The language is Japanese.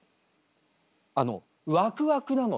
あのワクワクなのよ。